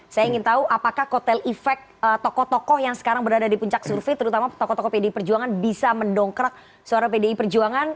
saya ingin tahu apakah kotel efek tokoh tokoh yang sekarang berada di puncak survei terutama tokoh tokoh pdi perjuangan bisa mendongkrak suara pdi perjuangan